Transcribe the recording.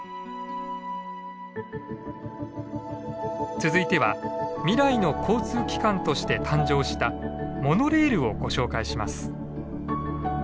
続いては「未来の交通機関」として誕生したモノレールをご紹介します。